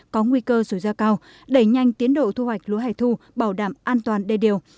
có nguy cơ rủi ro cao đẩy nhanh tiến độ thu hoạch lúa hẻ thu bảo đảm an toàn đê điều